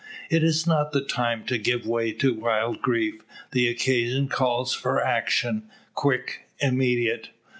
It is not the time to give way to wild grief. The occasion calls for action, quick, immediate.